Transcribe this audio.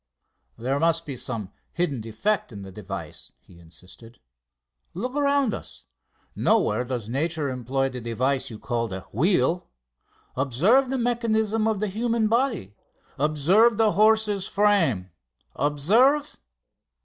"There must be some hidden defect in the device," he insisted. "Look around us. Nowhere does Nature employ the device you call the wheel. Observe the mechanism of the human body; observe the horse's frame; observe...."